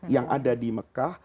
yang ada di mekah